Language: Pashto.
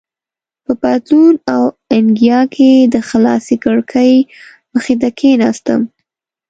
په پتلون او انګیا کې د خلاصې کړکۍ مخې ته کېناستم.